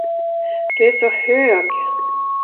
Du är så hög.